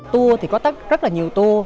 tua thì có rất là nhiều tour